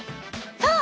そう！